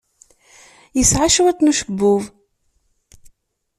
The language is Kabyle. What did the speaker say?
Yesɛa cwiṭ n ucebbub.